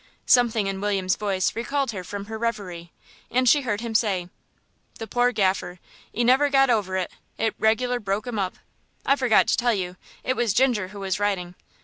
Something in William's voice recalled her from her reverie, and she heard him say "The poor Gaffer, 'e never got over it; it regular broke 'im up. I forgot to tell you, it was Ginger who was riding.